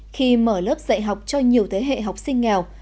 khi mở lớp dạy học cho nhiều thế hệ học sinh nghèo